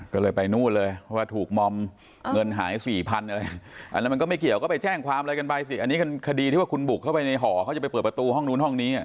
ก็เลยไปนู่นเลยเพราะว่าถูกมอมเงินหายสี่พันอะไรอันนั้นมันก็ไม่เกี่ยวก็ไปแจ้งความอะไรกันไปสิอันนี้คดีที่ว่าคุณบุกเข้าไปในหอเขาจะไปเปิดประตูห้องนู้นห้องนี้